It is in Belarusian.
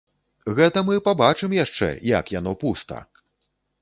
Гэта мы пабачым яшчэ, як яно пуста!